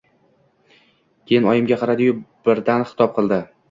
Keyin oyimga qaradi-yu, birdan xitob qildi.